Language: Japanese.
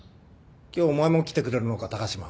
今日お前も来てくれるのか高島。